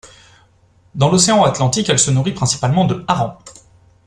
Dans l'océan Atlantique elle se nourrit principalement de harengs.